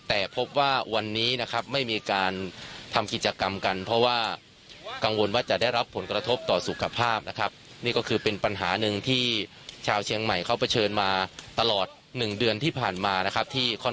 แต่พบว่าวันนี้นะครับไม่มีการทำกิจกรรมกันเพราะว่ากังวลว่าจะได้รับผลกระทบต่อสุขภาพนะครับ